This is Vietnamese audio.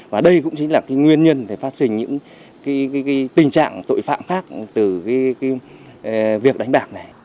và đây cũng chính là cái nguyên nhân để phát sinh những tình trạng tội phạm khác từ việc đánh bạc này